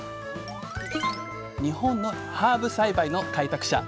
日本のハーブ栽培の開拓者！